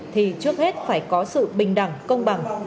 thì trước hết phải có sự bình luận